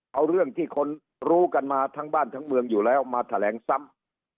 เอาเรื่องที่คนรู้กันมาทั้งบ้านทั้งเมืองอยู่แล้วมาแถลงซ้ำ